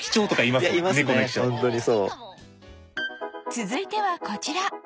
続いてはこちら